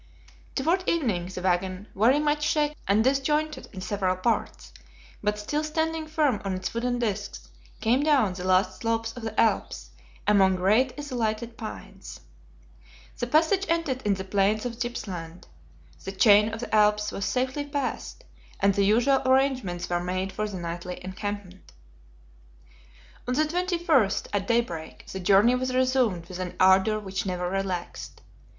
Toward evening the wagon, very much shaken and disjointed in several parts, but still standing firm on its wooden disks, came down the last slopes of the Alps, among great isolated pines. The passage ended in the plains of Gippsland. The chain of the Alps was safely passed, and the usual arrangements were made for the nightly encampment. On the 21st, at daybreak, the journey was resumed with an ardor which never relaxed.